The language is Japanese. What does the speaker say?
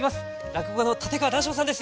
落語家の立川談笑さんです！